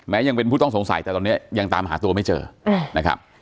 ยังเป็นผู้ต้องสงสัยแต่ตอนนี้ยังตามหาตัวไม่เจอนะครับ